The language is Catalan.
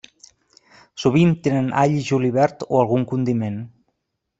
Sovint tenen all i julivert o algun condiment.